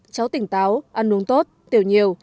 cháu tỉnh táo ăn uống tốt tiểu nhiều